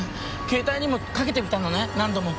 携帯にもかけてみたのね何度も。